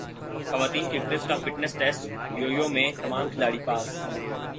خواتین کرکٹرز کا fitness test yo yo میں تمام کھلاڑی پاس